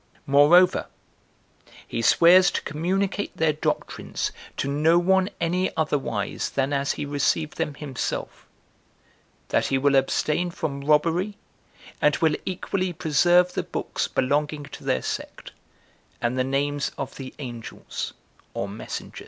Moreover, he swears to communicate their doctrines to no one any otherwise than as he received them himself; that he will abstain from robbery, and will equally preserve the books belonging to their sect, and the names of the angels 5 [or messengers].